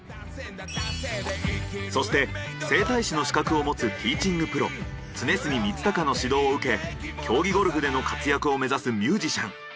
そして整体師の資格を持つティーチングプロ常住充隆の指導を受け競技ゴルフでの活躍を目指すミュージシャン